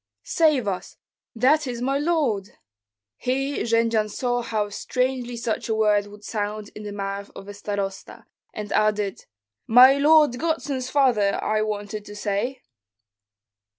"Save us! that is my lord!" Here Jendzian saw how strangely such a word would sound in the mouth of a starosta, and added, "My lord godson's father, I wanted to say."